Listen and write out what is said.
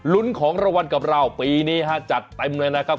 ของรางวัลกับเราปีนี้ฮะจัดเต็มเลยนะครับ